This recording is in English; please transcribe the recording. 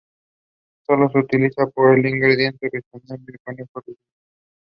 He attended Combermere School in Barbados.